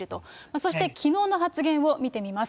そしてきのうの発言を見てみます。